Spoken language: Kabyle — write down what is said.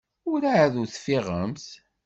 Werɛad ur teffiɣemt?